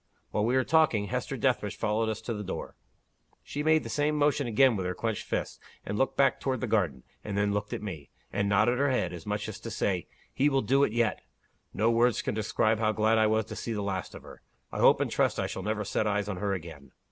While we were talking, Hester Dethridge followed us to the door. She made the same motion again with her clenched hand, and looked back toward the garden and then looked at me, and nodded her head, as much as to say, 'He will do it yet!' No words can describe how glad I was to see the last of her. I hope and trust I shall never set eyes on her again!"